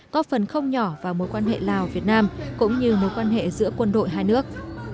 có phần không nhỏ vào mối quan hệ lào việt nam cũng như mối quan hệ giữa quân đội hai nước